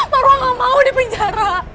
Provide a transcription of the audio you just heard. marwa enggak mau dipenjara